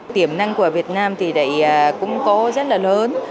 tiềm năng của việt nam thì cũng có rất là lớn